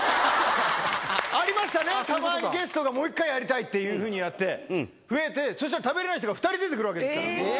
ありましたね、ゲストがもう一回やりたいというふうにやって、増えて、そしたら食べれない人が２人出てくるわけですから。